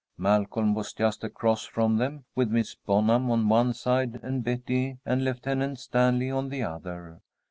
Malcolm was just across from them, with Miss Bonham on one side and Betty and Lieutenant Stanley on the other.